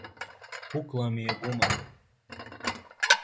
Пукла ми је гума.